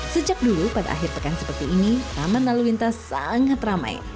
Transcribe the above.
sejak dulu pada akhir pekan seperti ini taman lalu lintas sangat ramai